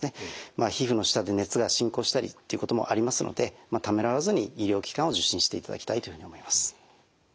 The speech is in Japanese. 皮膚の下で熱が進行したりということもありますのでためらわずに医療機関を受診していただきたいと思います。